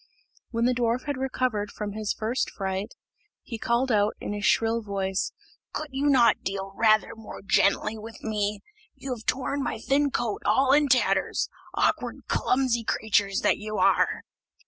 When the dwarf had recovered from his first fright, he called out, in his shrill voice: "Could not you deal rather more gently with me? You have torn my thin coat all in tatters, awkward, clumsy creatures that you are!"